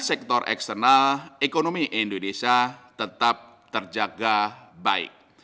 sektor eksternal ekonomi indonesia tetap terjaga baik